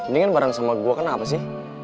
jangan pernah ganggu perempuan lagi